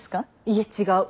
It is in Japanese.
いえ違う。